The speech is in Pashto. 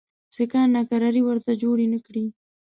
سیکهان ناکراري ورته جوړي نه کړي.